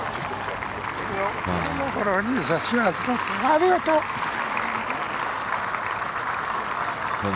ありがとう。